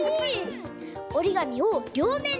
おりがみをりょうめん